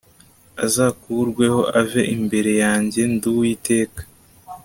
azakurweho ave imbere yanjye Ndi Uwiteka